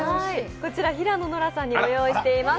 こちら平野ノラさんにも御用意しています。